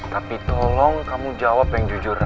tapi tolong kamu jawab yang jujur